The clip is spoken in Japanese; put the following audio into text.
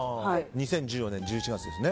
２０１４年１１月ですね。